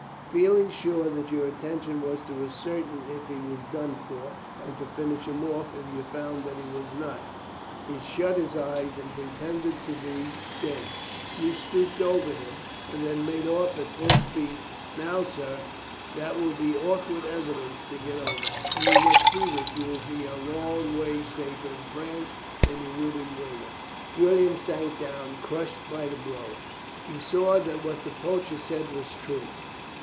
Feeling sure that your intention was to ascertain if he was done for, and to finish him off if you found that he was not, he shut his eyes and pretended to be dead. You stooped over him, and then made off at full speed. Now, sir, that will be awkward evidence to get over, and you must see that you will be a long way safer in France than you would in Weymouth." Julian sank down, crushed by the blow. He saw that what the poacher said was true.